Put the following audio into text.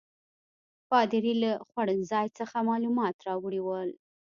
پادري له خوړنځای څخه معلومات راوړي ول.